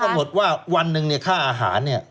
เขาก็บอกว่าวันนึงค่าอาหารเนี่ย